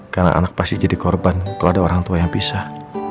karena anak pasti jadi korban kalau ada orang tua yang pisah